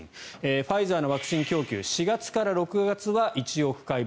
ファイザーのワクチン供給が４月から６月は１億回分。